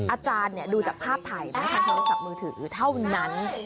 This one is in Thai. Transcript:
อาจารย์ดูจากภาพถ่ายนะทางโทรศัพท์มือถือเท่านั้น